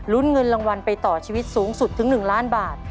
เงินรางวัลไปต่อชีวิตสูงสุดถึง๑ล้านบาท